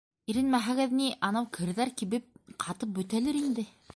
- Иренмәһәгеҙ ни... анау керҙәр кибеп ҡатып бөтәлер инде.